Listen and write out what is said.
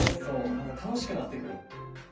なんか楽しくなってくる。